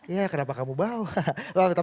ya kenapa kamu bau